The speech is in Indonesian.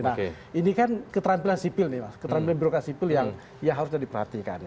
nah ini kan keterampilan sipil nih mas keterampilan birokrasi sipil yang harus dipratikan